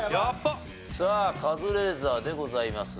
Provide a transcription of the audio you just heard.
さあカズレーザーでございますが。